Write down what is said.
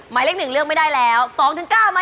หมวกปีกดีกว่าหมวกปีกดีกว่า